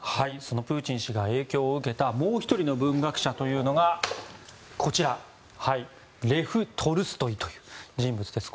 プーチン氏が影響を受けたもう１人の文学者がこちら、レフ・トルストイという人物です。